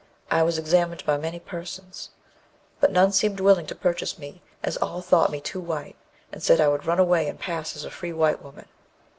I was examined by many persons, but none seemed willing to purchase me, as all thought me too white, and said I would run away and pass as a free white woman.